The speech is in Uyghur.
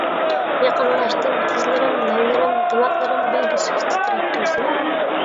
يېقىنلاشتىم، تىزلىرىم، لەۋلىرىم، دىماقلىرىم بىلگۈسىز تىترەپ تۇرسىمۇ.